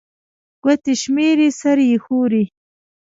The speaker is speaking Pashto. ګوتي شمېري، سر يې ښوري